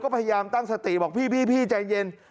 ก็พยายามตั้งสติบอกพี่ใจเย็น